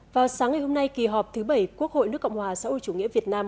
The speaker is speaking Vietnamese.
vào sáng ngày hôm nay kỳ họp thứ bảy quốc hội nước cộng hòa xã hội chủ nghĩa việt nam